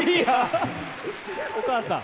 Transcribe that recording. お母さん。